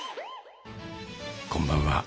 こんばんは。